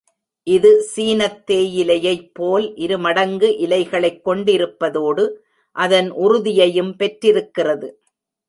இது சீனத் தேயிலையைப்போல் இருமடங்கு இலைகளைக் கொண்டிருப்பதோடு, அதன் உறுதியையும் பெற்றிருக்கிறது.